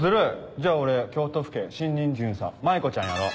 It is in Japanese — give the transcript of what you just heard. じゃあ俺京都府警新任巡査舞子ちゃんやろう。